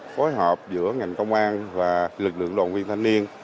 phối hợp giữa ngành công an và lực lượng đoàn viên thanh niên